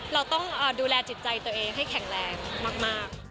เราต้องดูแลจิตใจตัวเองให้แข็งแรงมาก